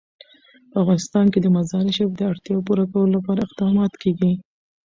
په افغانستان کې د مزارشریف د اړتیاوو پوره کولو لپاره اقدامات کېږي.